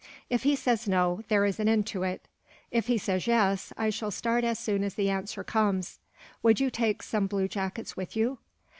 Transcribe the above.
If he says no, there is an end to it. If he says yes, I shall start as soon as the answer comes." "Would you take some blue jackets with you?"